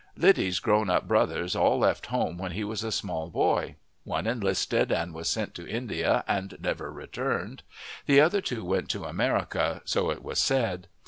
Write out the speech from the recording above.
Liddy's grown up brothers all left home when he was a small boy: one enlisted and was sent to India and never returned; the other two went to America, so it was said.